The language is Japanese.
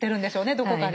どこかで。